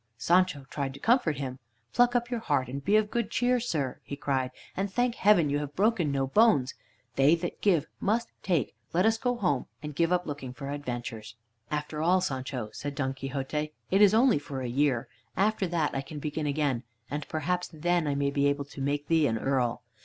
Sancho tried to comfort him. "Pluck up your heart and be of good cheer, sir," he cried, "and thank Heaven you have broken no bones. They that give must take. Let us go home and give up looking for adventures." "After all, Sancho," said Don Quixote, "it is only for a year. After that I can begin again, and perhaps then I may be able to make thee an Earl."